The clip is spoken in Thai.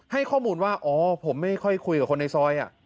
ให้ข้อมูลว่าอ๋อผมไม่ค่อยคุยกับคนในซอย